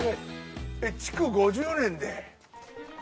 築５０年で。